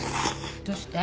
どうして？